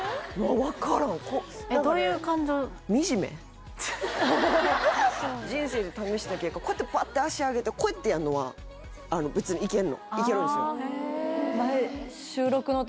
分からん何かね人生で試した結果こうやってバッて足上げてこうやってやんのは別にいけんのいけるんですよ